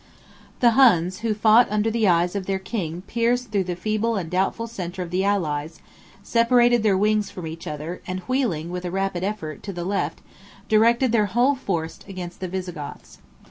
The Huns, who fought under the eyes of their king pierced through the feeble and doubtful centre of the allies, separated their wings from each other, and wheeling, with a rapid effort, to the left, directed their whole force against the Visigoths.